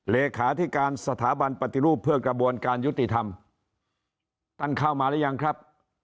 เลขาธิการสถาบันปฏิรูปเพื่อกระบวนการยุติธรรมท่านเข้ามาหรือยังครับ